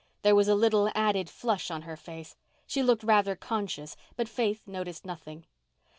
There was a little added flush on her face. She looked rather conscious but Faith noticed nothing.